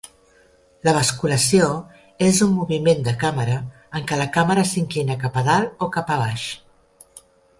La basculació és un moviment de càmera en què la càmera s'inclina cap a dalt o cap a baix.